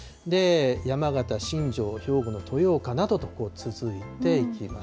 山形・新庄、兵庫の豊岡などと続いていきます。